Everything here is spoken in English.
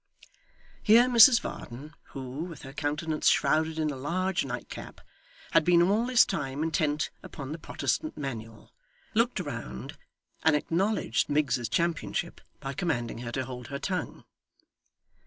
Here Mrs Varden, who, with her countenance shrouded in a large nightcap, had been all this time intent upon the Protestant Manual, looked round, and acknowledged Miggs's championship by commanding her to hold her tongue.